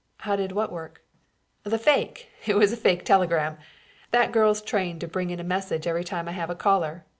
"How did what work?" "The fake. It was a fake telegram. That girl's trained to bring in a message every time I have a caller.